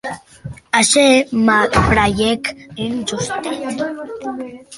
Ager m’apraièc un justet.